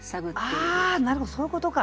ああなるほどそういうことか。